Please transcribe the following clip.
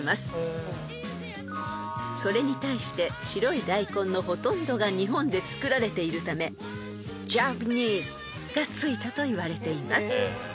［それに対して白い大根のほとんどが日本で作られているため「Ｊａｐａｎｅｓｅ」が付いたといわれています］